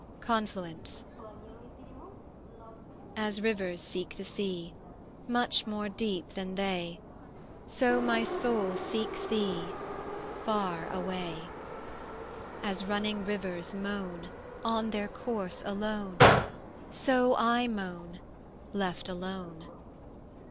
CONFLUENTS As rivers seek the sea, Much more deep than they, So my soul seeks thee Far away: As running rivers moan On their course alone So I moan Left alone.